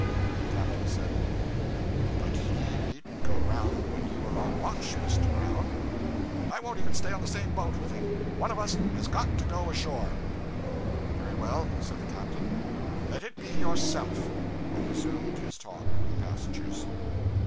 The captain said 'But he needn't come round when you are on watch, Mr. Brown. 'I won't even stay on the same boat with him. One of us has got to go ashore.' 'Very well,' said the captain, 'let it be yourself;' and resumed his talk with the passengers.